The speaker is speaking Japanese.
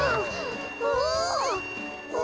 お！